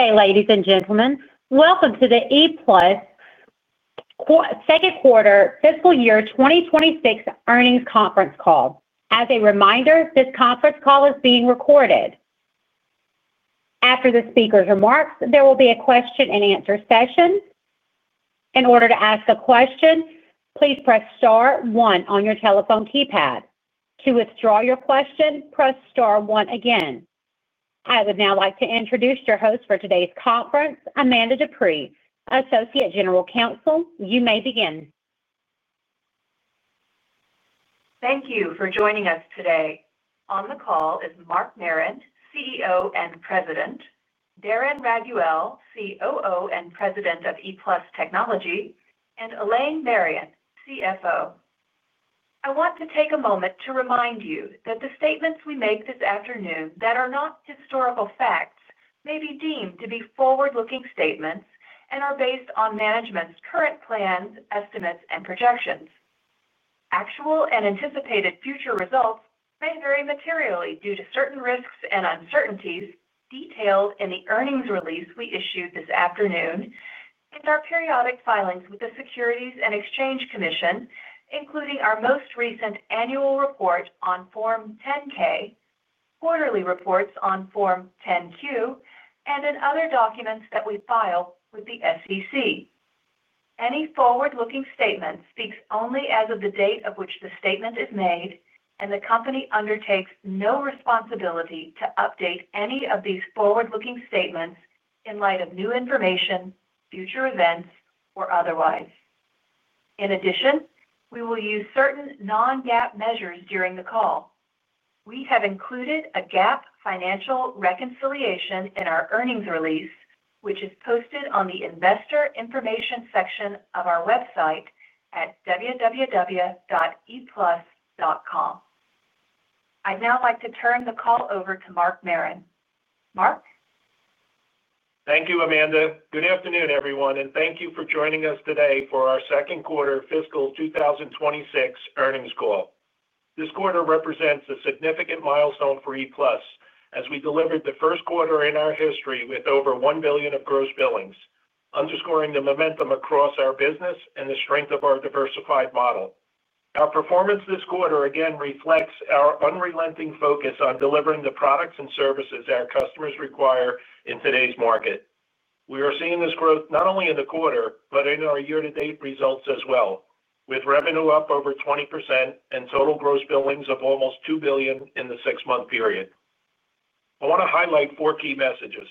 Good day, ladies and gentlemen. Welcome to the ePlus second quarter fiscal year 2026 earnings conference call. As a reminder, this conference call is being recorded. After the speaker's remarks, there will be a question-and-answer session. In order to ask a question, please press star star on your telephone keypad. To withdraw your question, press star one again. I would now like to introduce your host for today's conference, Amanda Dupree, Associate General Counsel. You may begin. Thank you for joining us today. On the call is Mark Marron, CEO and President. Darren Raiguel, COO and President of ePlus Technology, and Elaine Marion, CFO. I want to take a moment to remind you that the statements we make this afternoon that are not historical facts may be deemed to be forward-looking statements and are based on management's current plans, estimates, and projections. Actual and anticipated future results may vary materially due to certain risks and uncertainties detailed in the earnings release we issued this afternoon and our periodic filings with the Securities and Exchange Commission, including our most recent annual report on Form 10-K, quarterly reports on Form 10-Q, and in other documents that we file with the SEC. Any forward-looking statement speaks only as of the date of which the statement is made, and the company undertakes no responsibility to update any of these forward-looking statements in light of new information, future events, or otherwise. In addition, we will use certain non-GAAP measures during the call. We have included a GAAP financial reconciliation in our earnings release, which is posted on the Investor Information section of our website at www.eplus.com. I'd now like to turn the call over to Mark Marron. Mark. Thank you, Amanda. Good afternoon, everyone, and thank you for joining us today for our second quarter fiscal 2026 earnings call. This quarter represents a significant milestone for ePlus as we delivered the first quarter in our history with over $1 billion of gross billings, underscoring the momentum across our business and the strength of our diversified model. Our performance this quarter again reflects our unrelenting focus on delivering the products and services our customers require in today's market. We are seeing this growth not only in the quarter but in our year-to-date results as well, with revenue up over 20% and total gross billings of almost $2 billion in the six-month period. I want to highlight four key messages.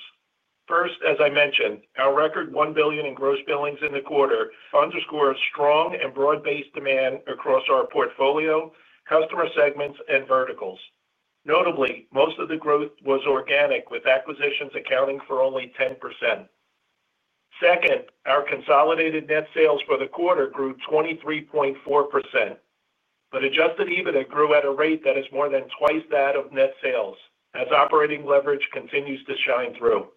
First, as I mentioned, our record $1 billion in gross billings in the quarter underscores strong and broad-based demand across our portfolio, customer segments, and verticals. Notably, most of the growth was organic, with acquisitions accounting for only 10%. Second, our consolidated net sales for the quarter grew 23.4%. Adjusted EBITDA grew at a rate that is more than twice that of net sales as operating leverage continues to shine through.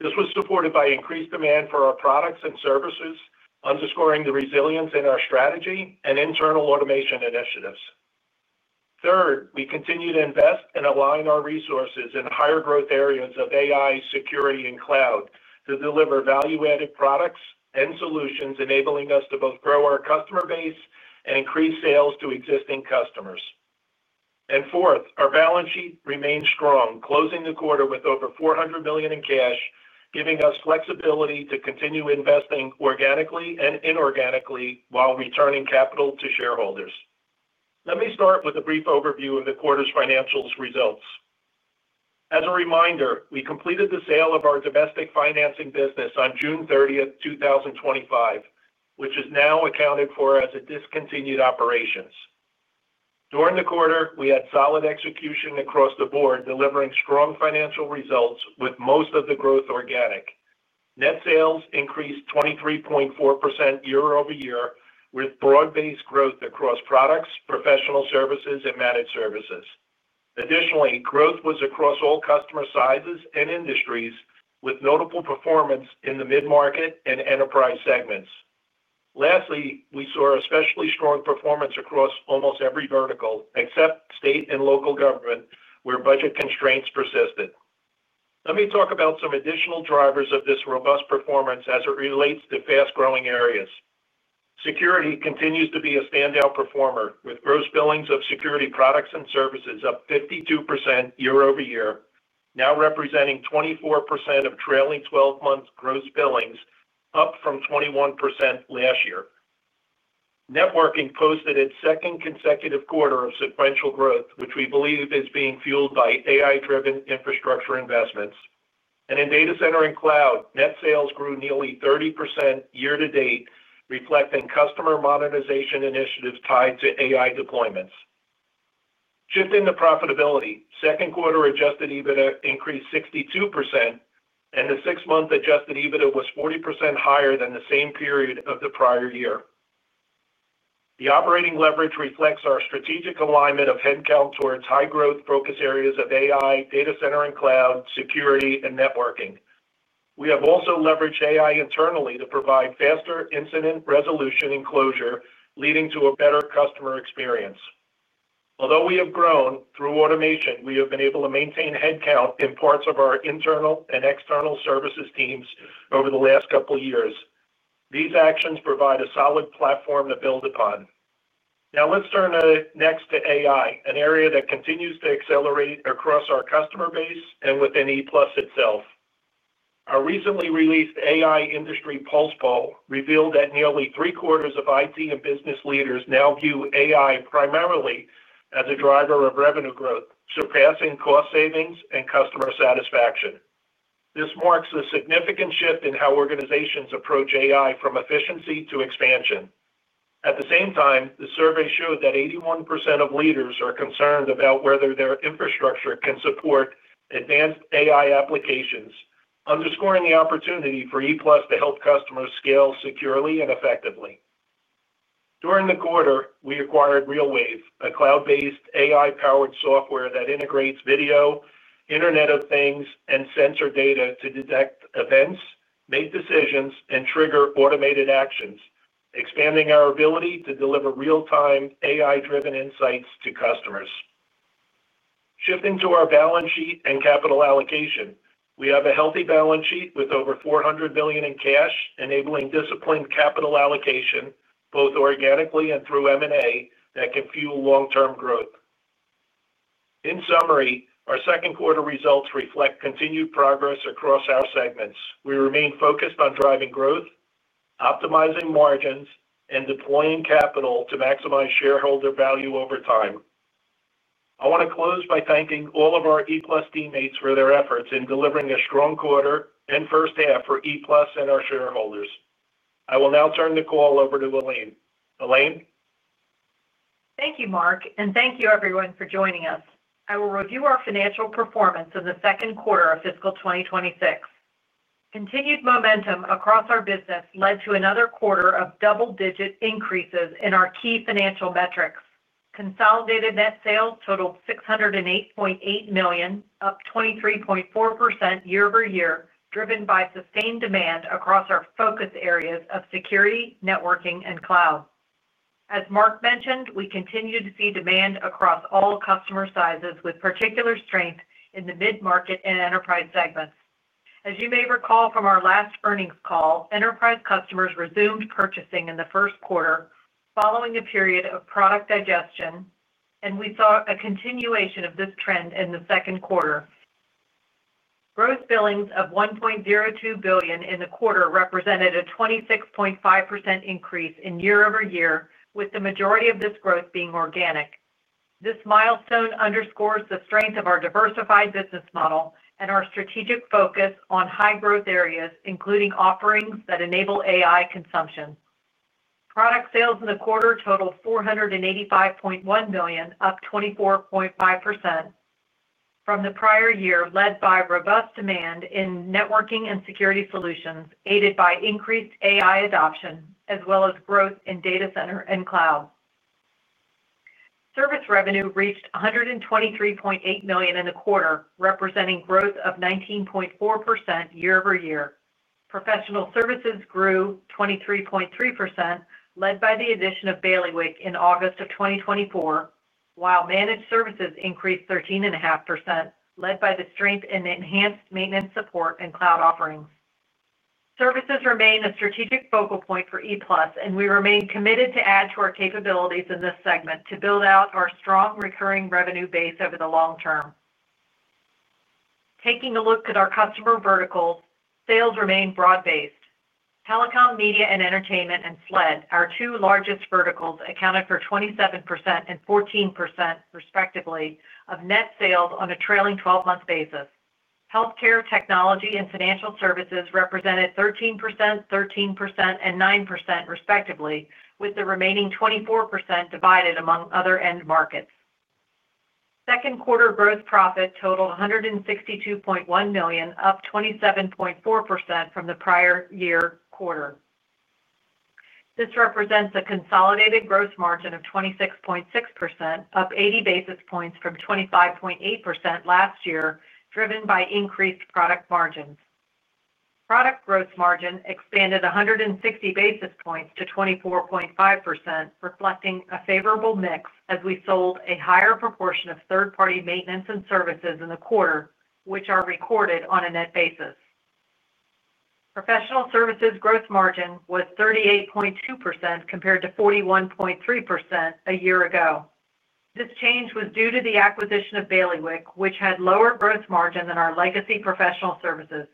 This was supported by increased demand for our products and services, underscoring the resilience in our strategy and internal automation initiatives. Third, we continue to invest and align our resources in higher growth areas of AI, security, and cloud to deliver value-added products and solutions, enabling us to both grow our customer base and increase sales to existing customers. Fourth, our balance sheet remains strong, closing the quarter with over $400 million in cash, giving us flexibility to continue investing organically and inorganically while returning capital to shareholders. Let me start with a brief overview of the quarter's financial results. As a reminder, we completed the sale of our domestic financing business on June 30, 2025, which is now accounted for as discontinued operations. During the quarter, we had solid execution across the board, delivering strong financial results with most of the growth organic. Net sales increased 23.4% year-over-year, with broad-based growth across products, professional services, and managed services. Additionally, growth was across all customer sizes and industries, with notable performance in the mid-market and enterprise segments. Lastly, we saw especially strong performance across almost every vertical except state and local government, where budget constraints persisted. Let me talk about some additional drivers of this robust performance as it relates to fast-growing areas. Security continues to be a standout performer, with gross billings of security products and services up 52% year-over-year, now representing 24% of trailing 12 months' gross billings, up from 21% last year. Networking posted its second consecutive quarter of sequential growth, which we believe is being fueled by AI-driven infrastructure investments. In data center and cloud, net sales grew nearly 30% year-to-date, reflecting customer modernization initiatives tied to AI deployments. Shifting to profitability, second quarter adjusted EBITDA increased 62%, and the six-month adjusted EBITDA was 40% higher than the same period of the prior year. The operating leverage reflects our strategic alignment of headcount towards high-growth focus areas of AI, data center and cloud, security, and networking. We have also leveraged AI internally to provide faster incident resolution and closure, leading to a better customer experience. Although we have grown through automation, we have been able to maintain headcount in parts of our internal and external services teams over the last couple of years. These actions provide a solid platform to build upon. Now, let's turn next to AI, an area that continues to accelerate across our customer base and within ePlus itself. Our recently released AI Industry Pulse Poll revealed that nearly three-quarters of IT and business leaders now view AI primarily as a driver of revenue growth, surpassing cost savings and customer satisfaction. This marks a significant shift in how organizations approach AI, from efficiency to expansion. At the same time, the survey showed that 81% of leaders are concerned about whether their infrastructure can support advanced AI applications, underscoring the opportunity for ePlus to help customers scale securely and effectively. During the quarter, we acquired RealWave, a cloud-based AI-powered software that integrates video, Internet of Things, and sensor data to detect events, make decisions, and trigger automated actions, expanding our ability to deliver real-time AI-driven insights to customers. Shifting to our balance sheet and capital allocation, we have a healthy balance sheet with over $400 million in cash, enabling disciplined capital allocation, both organically and through M&A, that can fuel long-term growth. In summary, our second quarter results reflect continued progress across our segments. We remain focused on driving growth, optimizing margins, and deploying capital to maximize shareholder value over time. I want to close by thanking all of our ePlus teammates for their efforts in delivering a strong quarter and first half for ePlus and our shareholders. I will now turn the call over to Elaine. Elaine. Thank you, Mark, and thank you, everyone, for joining us. I will review our financial performance in the second quarter of fiscal 2026. Continued momentum across our business led to another quarter of double-digit increases in our key financial metrics. Consolidated net sales totaled $608.8 million, up 23.4% year-over-year, driven by sustained demand across our focus areas of security, networking, and cloud. As Mark mentioned, we continue to see demand across all customer sizes, with particular strength in the mid-market and enterprise segments. As you may recall from our last earnings call, enterprise customers resumed purchasing in the first quarter following a period of product digestion, and we saw a continuation of this trend in the second quarter. Gross billings of $1.02 billion in the quarter represented a 26.5% increase year-over-year, with the majority of this growth being organic. This milestone underscores the strength of our diversified business model and our strategic focus on high-growth areas, including offerings that enable AI consumption. Product sales in the quarter totaled $485.1 million, up 24.5% from the prior year, led by robust demand in networking and security solutions, aided by increased AI adoption, as well as growth in data center and cloud. Service revenue reached $123.8 million in the quarter, representing growth of 19.4% year-over-year. Professional services grew 23.3%, led by the addition of Bailiwick in August of 2024, while managed services increased 13.5%, led by the strength in enhanced maintenance support and cloud offerings. Services remain a strategic focal point for ePlus, and we remain committed to add to our capabilities in this segment to build out our strong recurring revenue base over the long term. Taking a look at our customer verticals, sales remain broad-based. Telecom, media, and entertainment, and SLED, our two largest verticals, accounted for 27% and 14%, respectively, of net sales on a trailing 12-month basis. Healthcare, technology, and financial services represented 13%, 13%, and 9%, respectively, with the remaining 24% divided among other end markets. Second quarter gross profit totaled $162.1 million, up 27.4% from the prior year quarter. This represents a consolidated gross margin of 26.6%, up 80 basis points from 25.8% last year, driven by increased product margins. Product gross margin expanded 160 basis points to 24.5%, reflecting a favorable mix as we sold a higher proportion of third-party maintenance and services in the quarter, which are recorded on a net basis. Professional services gross margin was 38.2% compared to 41.3% a year ago. This change was due to the acquisition of Bailiwick, which had lower gross margin than our legacy professional services.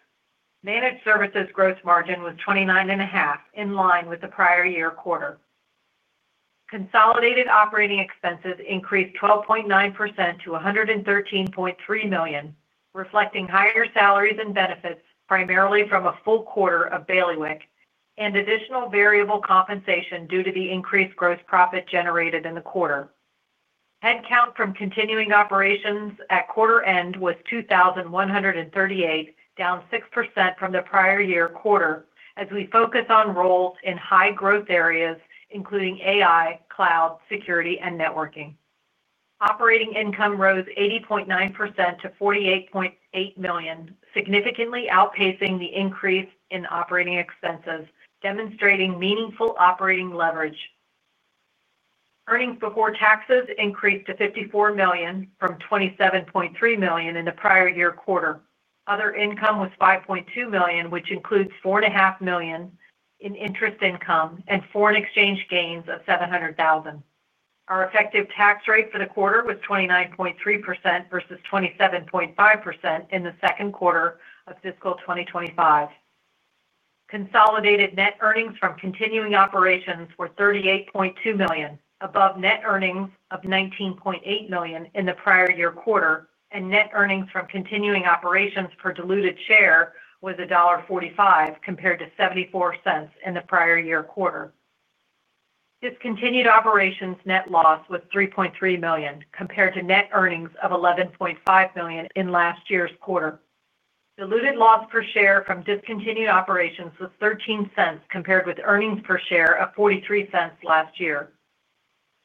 Managed services gross margin was 29.5%, in line with the prior year quarter. Consolidated operating expenses increased 12.9% to $113.3 million, reflecting higher salaries and benefits, primarily from a full quarter of Bailiwick, and additional variable compensation due to the increased gross profit generated in the quarter. Headcount from continuing operations at quarter-end was 2,138, down 6% from the prior year quarter, as we focus on roles in high-growth areas, including AI, cloud, security, and networking. Operating income rose 80.9% to $48.8 million, significantly outpacing the increase in operating expenses, demonstrating meaningful operating leverage. Earnings before taxes increased to $54 million from $27.3 million in the prior year quarter. Other income was $5.2 million, which includes $4.5 million in interest income and foreign exchange gains of $700,000. Our effective tax rate for the quarter was 29.3% versus 27.5% in the second quarter of fiscal 2025. Consolidated net earnings from continuing operations were $38.2 million, above net earnings of $19.8 million in the prior year quarter, and net earnings from continuing operations per diluted share was $1.45, compared to $0.74 in the prior year quarter. Discontinued operations net loss was $3.3 million, compared to net earnings of $11.5 million in last year's quarter. Diluted loss per share from discontinued operations was $0.13, compared with earnings per share of $0.43 last year.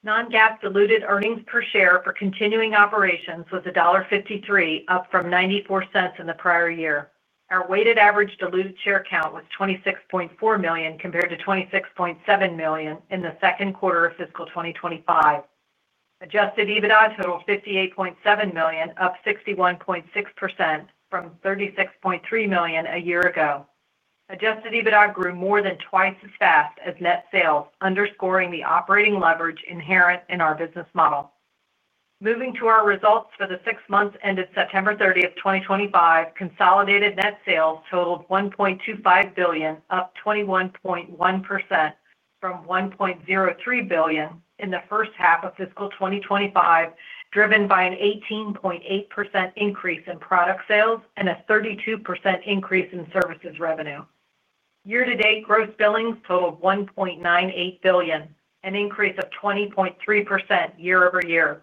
Non-GAAP diluted earnings per share for continuing operations was $1.53, up from $0.94 in the prior year. Our weighted average diluted share count was 26.4 million, compared to 26.7 million in the second quarter of fiscal 2025. Adjusted EBITDA totaled $58.7 million, up 61.6% from $36.3 million a year ago. Adjusted EBITDA grew more than twice as fast as net sales, underscoring the operating leverage inherent in our business model. Moving to our results for the six months ended September 30, 2025, consolidated net sales totaled $1.25 billion, up 21.1% from $1.03 billion in the first half of fiscal 2025, driven by an 18.8% increase in product sales and a 32% increase in services revenue. Year-to-date gross billings totaled $1.98 billion, an increase of 20.3% year-over-year.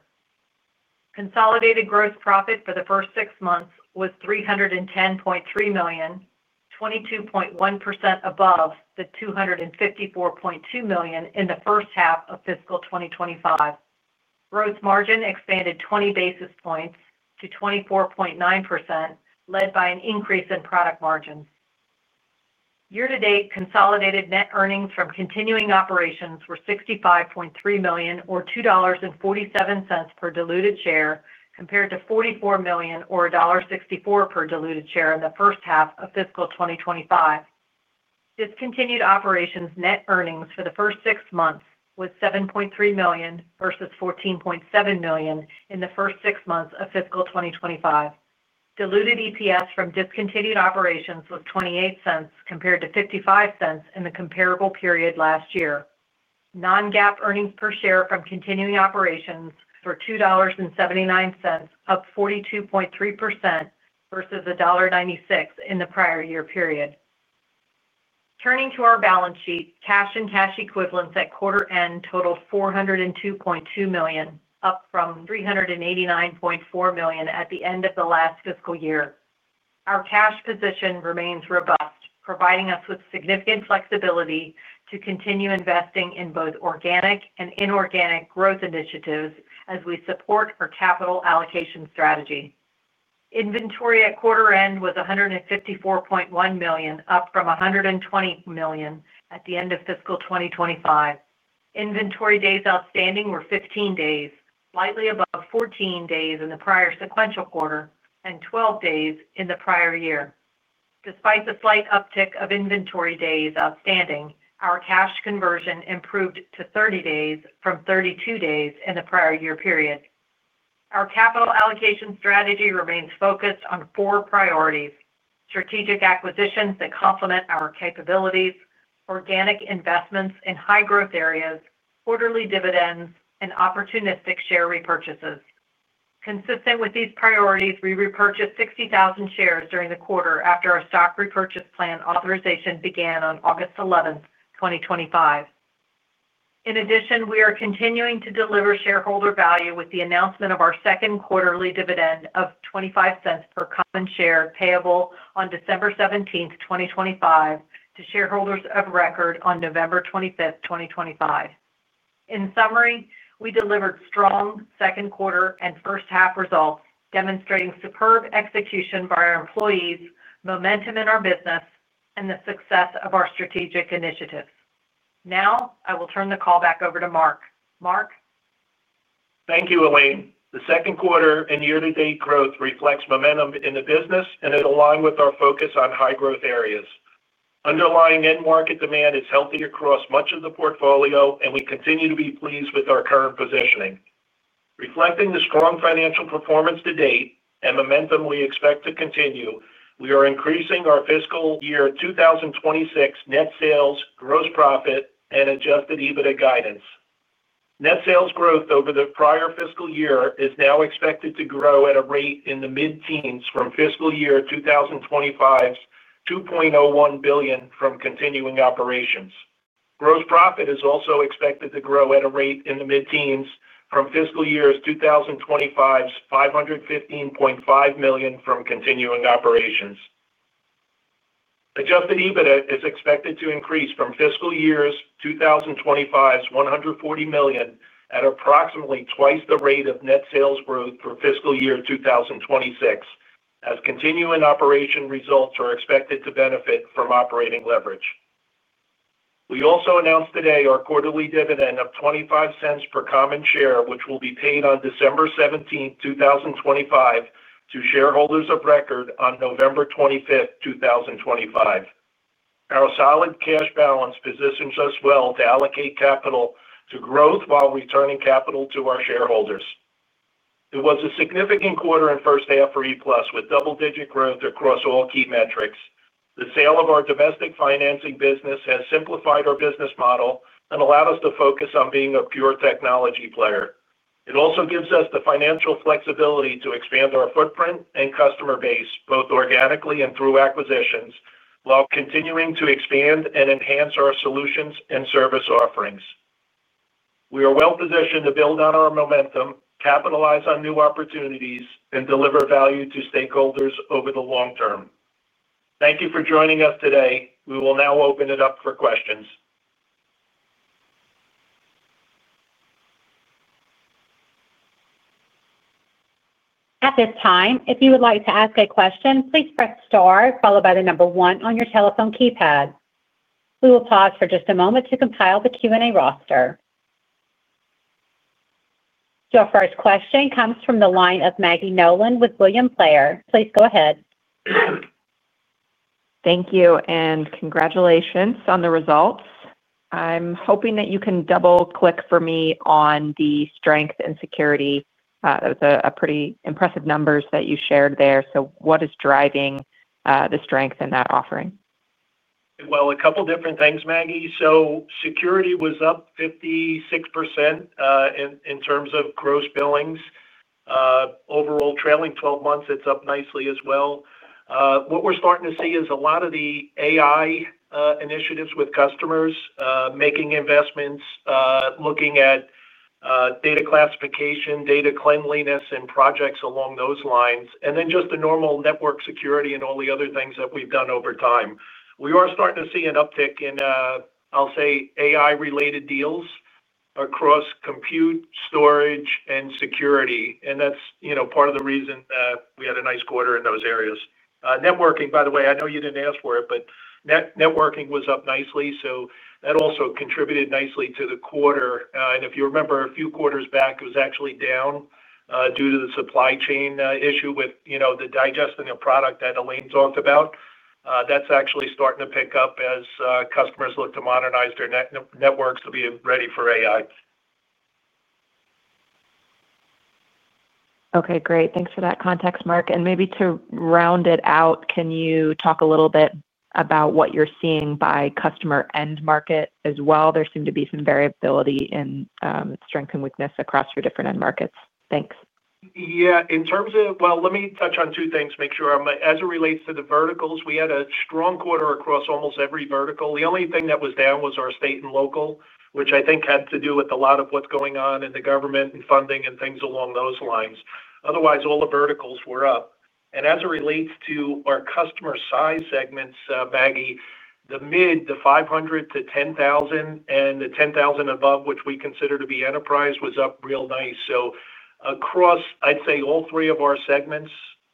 Consolidated gross profit for the first six months was $310.3 million, 22.1% above the $254.2 million in the first half of fiscal 2025. Gross margin expanded 20 basis points to 24.9%, led by an increase in product margins. Year-to-date consolidated net earnings from continuing operations were $65.3 million, or $2.47 per diluted share, compared to $44 million, or $1.64 per diluted share in the first half of fiscal 2025. Discontinued operations net earnings for the first six months was $7.3 million versus $14.7 million in the first six months of fiscal 2025. Diluted EPS from discontinued operations was $0.28, compared to $0.55 in the comparable period last year. Non-GAAP earnings per share from continuing operations were $2.79, up 42.3% versus $1.96 in the prior year period. Turning to our balance sheet, cash and cash equivalents at quarter-end totaled $402.2 million, up from $389.4 million at the end of the last fiscal year. Our cash position remains robust, providing us with significant flexibility to continue investing in both organic and inorganic growth initiatives as we support our capital allocation strategy. Inventory at quarter-end was $154.1 million, up from $120 million at the end of fiscal 2025. Inventory days outstanding were 15 days, slightly above 14 days in the prior sequential quarter, and 12 days in the prior year. Despite the slight uptick of inventory days outstanding, our cash conversion improved to 30 days from 32 days in the prior year period. Our capital allocation strategy remains focused on four priorities. Strategic acquisitions that complement our capabilities, organic investments in high-growth areas, quarterly dividends, and opportunistic share repurchases. Consistent with these priorities, we repurchased 60,000 shares during the quarter after our stock repurchase plan authorization began on August 11, 2025. In addition, we are continuing to deliver shareholder value with the announcement of our second quarterly dividend of $0.25 per common share payable on December 17, 2025, to shareholders of record on November 25, 2025. In summary, we delivered strong second quarter and first half results, demonstrating superb execution by our employees, momentum in our business, and the success of our strategic initiatives. Now, I will turn the call back over to Mark. Mark. Thank you, Elaine. The second quarter and year-to-date growth reflects momentum in the business, and it aligned with our focus on high-growth areas. Underlying end market demand is healthy across much of the portfolio, and we continue to be pleased with our current positioning. Reflecting the strong financial performance to date and momentum we expect to continue, we are increasing our fiscal year 2026 net sales, gross profit, and adjusted EBITDA guidance. Net sales growth over the prior fiscal year is now expected to grow at a rate in the mid-teens from fiscal year 2025's $2.01 billion from continuing operations. Gross profit is also expected to grow at a rate in the mid-teens from fiscal year 2025's $515.5 million from continuing operations. Adjusted EBITDA is expected to increase from fiscal year 2025's $140 million at approximately twice the rate of net sales growth for fiscal year 2026, as continuing operation results are expected to benefit from operating leverage. We also announced today our quarterly dividend of $0.25 per common share, which will be paid on December 17, 2025, to shareholders of record on November 25, 2025. Our solid cash balance positions us well to allocate capital to growth while returning capital to our shareholders. It was a significant quarter and first half for ePlus with double-digit growth across all key metrics. The sale of our domestic financing business has simplified our business model and allowed us to focus on being a pure technology player. It also gives us the financial flexibility to expand our footprint and customer base, both organically and through acquisitions, while continuing to expand and enhance our solutions and service offerings. We are well positioned to build on our momentum, capitalize on new opportunities, and deliver value to stakeholders over the long term. Thank you for joining us today. We will now open it up for questions. At this time, if you would like to ask a question, please press star followed by the number one on your telephone keypad. We will pause for just a moment to compile the Q&A roster. Your first question comes from the line of Maggie Nolan with William Blair. Please go ahead. Thank you, and congratulations on the results. I'm hoping that you can double-click for me on the strength in security. That was a pretty impressive number that you shared there. What is driving the strength in that offering? A couple of different things, Maggie. Security was up 56%. In terms of gross billings, overall, trailing 12 months, it is up nicely as well. What we are starting to see is a lot of the AI initiatives with customers, making investments, looking at data classification, data cleanliness, and projects along those lines, and then just the normal network security and all the other things that we have done over time. We are starting to see an uptick in, I will say, AI-related deals across compute, storage, and security. That is part of the reason that we had a nice quarter in those areas. Networking, by the way, I know you did not ask for it, but networking was up nicely. That also contributed nicely to the quarter. If you remember, a few quarters back, it was actually down. Due to the supply chain issue with the digesting of product that Elaine talked about. That is actually starting to pick up as customers look to modernize their networks to be ready for AI. Okay, great. Thanks for that context, Mark. Maybe to round it out, can you talk a little bit about what you're seeing by customer end market as well? There seem to be some variability in strength and weakness across your different end markets. Thanks. Yeah. In terms of, let me touch on two things, make sure I'm as it relates to the verticals. We had a strong quarter across almost every vertical. The only thing that was down was our state and local, which I think had to do with a lot of what's going on in the government and funding and things along those lines. Otherwise, all the verticals were up. As it relates to our customer size segments, Maggie, the mid, the 500-10,000, and the 10,000 above, which we consider to be enterprise, was up real nice. Across, I'd say, all three of our segments,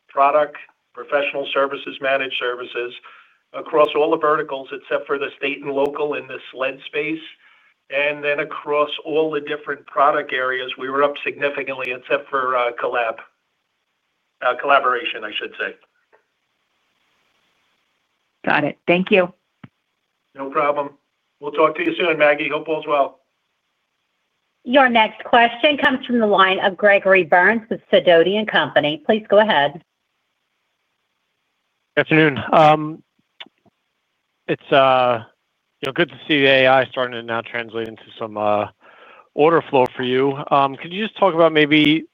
product, professional services, managed services, across all the verticals except for the state and local in this lead space. Across all the different product areas, we were up significantly except for collaboration, I should say. Got it. Thank you. No problem. We'll talk to you soon, Maggie. Hope all's well. Your next question comes from the line of Gregory Burns with Sidoti & Company. Please go ahead. Good afternoon. It's good to see the AI starting to now translate into some order flow for you. Could you just talk about maybe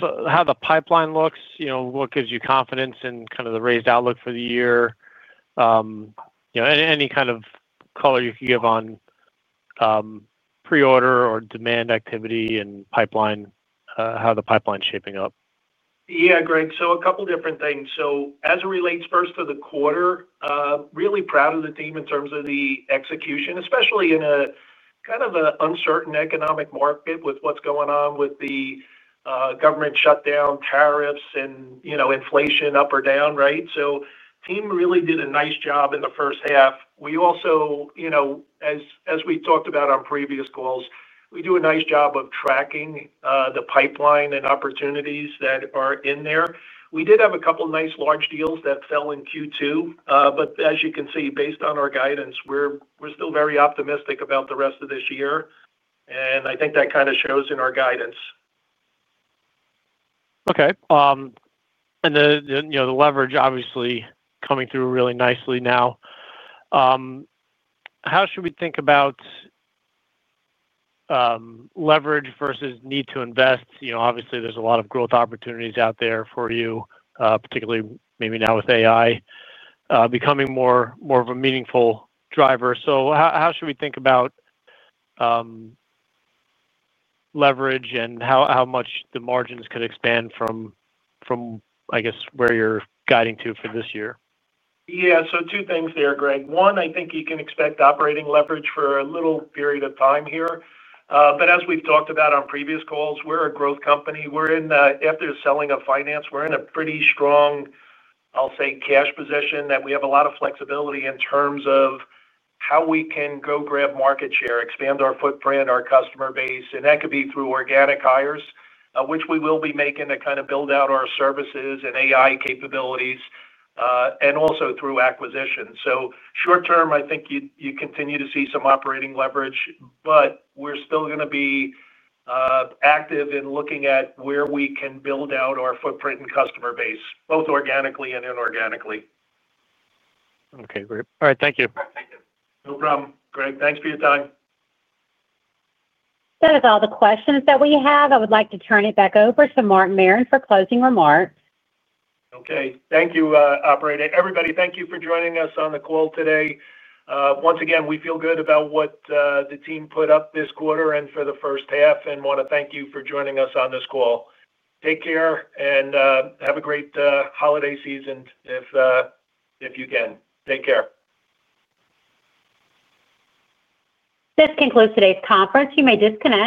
how the pipeline looks, what gives you confidence in kind of the raised outlook for the year? Any kind of color you can give on pre-order or demand activity and how the pipeline is shaping up? Yeah, Greg. So a couple of different things. As it relates first to the quarter, really proud of the team in terms of the execution, especially in a kind of uncertain economic market with what's going on with the government shutdown, tariffs, and inflation up or down, right? The team really did a nice job in the first half. We also, as we talked about on previous calls, do a nice job of tracking the pipeline and opportunities that are in there. We did have a couple of nice large deals that fell in Q2. As you can see, based on our guidance, we're still very optimistic about the rest of this year. I think that kind of shows in our guidance. Okay. The leverage, obviously, coming through really nicely now. How should we think about leverage versus need to invest? Obviously, there's a lot of growth opportunities out there for you, particularly maybe now with AI becoming more of a meaningful driver. How should we think about leverage and how much the margins could expand from, I guess, where you're guiding to for this year? Yeah. Two things there, Greg. One, I think you can expect operating leverage for a little period of time here. As we've talked about on previous calls, we're a growth company. After selling a finance, we're in a pretty strong, I'll say, cash position that we have a lot of flexibility in terms of how we can go grab market share, expand our footprint, our customer base. That could be through organic hires, which we will be making to kind of build out our services and AI capabilities, and also through acquisitions. Short term, I think you continue to see some operating leverage, but we're still going to be active in looking at where we can build out our footprint and customer base, both organically and inorganically. Okay, great. All right. Thank you. No problem, Greg. Thanks for your time. That is all the questions that we have. I would like to turn it back over to Mark Marron for closing remarks. Okay. Thank you, operator. Everybody, thank you for joining us on the call today. Once again, we feel good about what the team put up this quarter and for the first half and want to thank you for joining us on this call. Take care and have a great holiday season if you can. Take care. This concludes today's conference. You may disconnect.